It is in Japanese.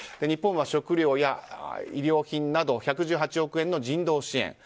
日本は食料や医療品など１１８億円の人道支援。